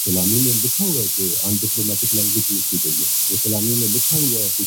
میری داڑھ میں درد ہے